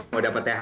mau dapet thr